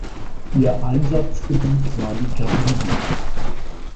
Ihr Einsatzgebiet war die Karibik.